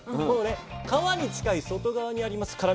この皮に近い外側にあります